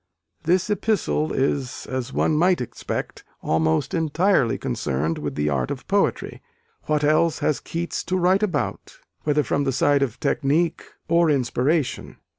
This epistle is, as one might expect, almost entirely concerned with the art of poetry what else has Keats to write about? whether from the side of technique, or inspiration.